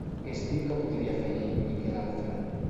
Què es diu que podria fer ell i què l'altra?